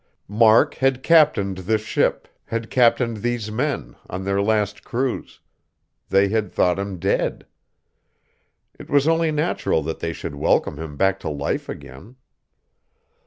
Mark had captained this ship, had captained these men, on their last cruise; they had thought him dead. It was only natural that they should welcome him back to life again....